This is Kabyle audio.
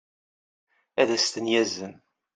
ad as-ten-yazen